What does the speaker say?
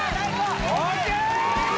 ＯＫ！